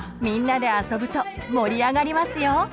みんなであそぶと盛り上がりますよ！